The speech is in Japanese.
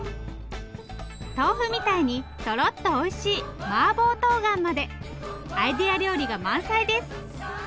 豆腐みたいにトロッとおいしいマーボーとうがんまでアイデア料理が満載です。